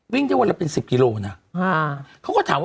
เคยมาฟันแลือกายการ